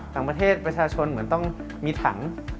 ต่างประเทศประชาชนเหมือนต้องมีถัง